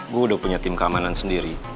gue udah punya tim keamanan sendiri